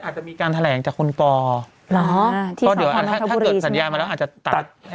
หรอเดี๋ยวหาถ้าเกิดสัญญามาแล้วอาจจะตัด